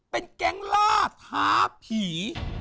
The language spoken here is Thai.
เป็นแก๊งล่าท้าผี